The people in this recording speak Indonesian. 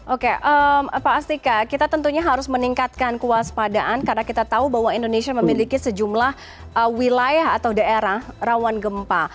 oke pak astika kita tentunya harus meningkatkan kewaspadaan karena kita tahu bahwa indonesia memiliki sejumlah wilayah atau daerah rawan gempa